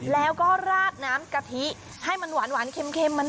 แล้วก็ราดน้ำกะทิให้มันหวานเค็ม